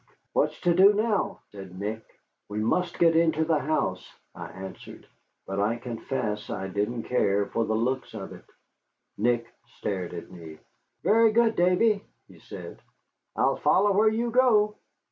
"What's to do now?" said Nick. "We must get into the house," I answered. But I confess I didn't care for the looks of it. Nick stared at me. "Very good, Davy," he said; "I'll follow where you go."